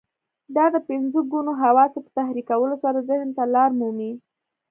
دا د پنځه ګونو حواسو په تحريکولو سره ذهن ته لار مومي.